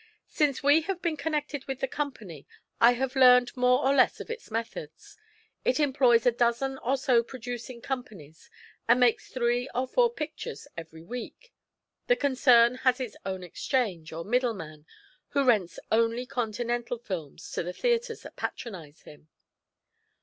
"Since we have been connected with the company I have learned more or less of its methods. It employs a dozen or so producing companies and makes three or four pictures every week. The concern has its own Exchange, or middleman, who rents only Continental films to the theatres that patronize him."